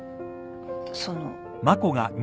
その。